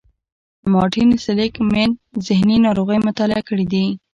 مارټين سېليګ مېن ذهني ناروغۍ مطالعه کړې دي.